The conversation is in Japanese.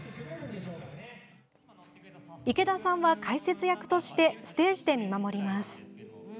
池田さんは解説役としてステージで見守ります。